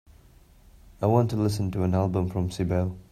I want to listen to an album from Sibel.